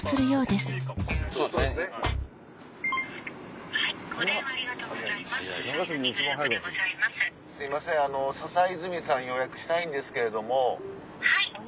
すいませんささいずみさん予約したいんですけれども。